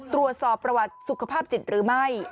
ตรวจสอบประวัติสุขภาพจิตหรือไม่